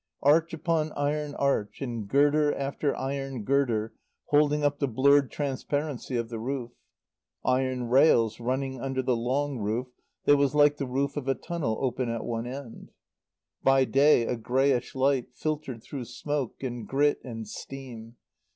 Arch upon iron arch, and girder after iron girder holding up the blurred transparency of the roof. Iron rails running under the long roof, that was like the roof of a tunnel open at one end. By day a greyish light, filtered through smoke and grit and steam.